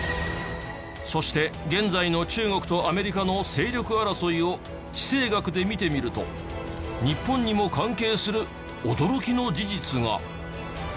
そして現在の中国とアメリカの勢力争いを地政学で見てみると日本にも関係する驚きの事実が。